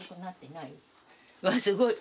すごい。